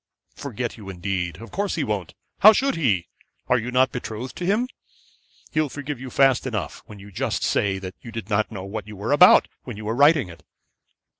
'Forget you indeed. Of course he won't. How should he? Are you not betrothed to him? He'll forgive you fast enough, when you just say that you did not know what you were about when you were writing it.'